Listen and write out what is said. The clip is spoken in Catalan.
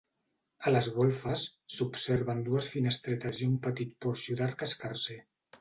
A les golfes s'observen dues finestretes i un petit porxo d'arc escarser.